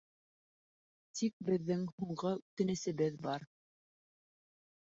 — Тик беҙҙең һуңғы үтенесебеҙ бар.